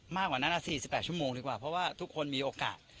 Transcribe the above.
มากกว่านั้นอ่ะสี่สิบแปดชั่วโมงดีกว่าเพราะว่าทุกคนมีโอกาส